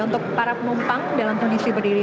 untuk para penumpang dalam kondisi berdiri